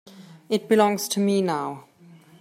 It belongs to me now.